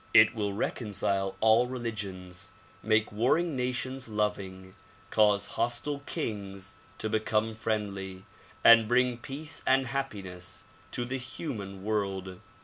It will reconcile all religions, make warring nations loving, cause hostile kings to become friendly and bring peace and happiness to the human world.